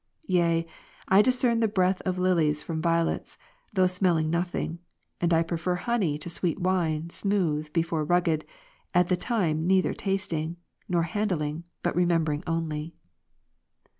Yea, I discern the breath of lilies from violets, though smelling nothing ; and I prefer honey to sweet wine, smooth before rugged, at the time neither tasting, nor handling, but re membering only.